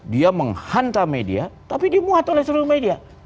dia menghantam media tapi dimuat oleh seluruh media